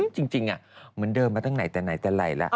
จริงเหมือนเดิมมาตั้งไหนแต่ไหนแต่ไรแล้ว